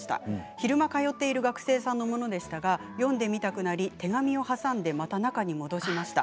昼間、通っている学生さんのものでしたが読んでみたくなり手紙を挟んでまた中に戻しました。